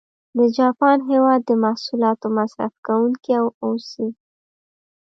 د جاپان هېواد د محصولاتو مصرف کوونکي و اوسي.